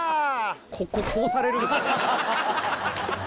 こここうされるんですよ